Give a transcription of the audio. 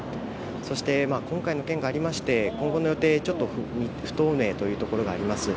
そして、今回の件がありまして、今後の予定、ちょっと不透明というところがあります。